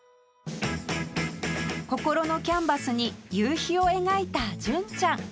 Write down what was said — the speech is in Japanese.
心のキャンバスに夕日を描いた純ちゃん